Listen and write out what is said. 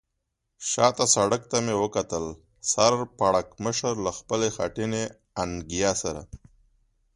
شا ته سړک ته مې وکتل، سر پړکمشر له خپلې خټینې انګیا سره.